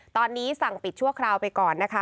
ตอนนี้สั่งปิดชั่วคราวไปก่อนนะคะ